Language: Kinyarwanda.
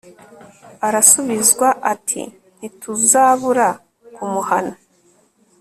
arasubizwa ati ntituzabura ku muhana